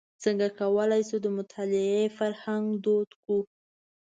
څنګه کولای شو د مطالعې فرهنګ دود کړو.